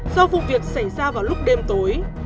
do vụ việc xảy ra vào lúc đêm tối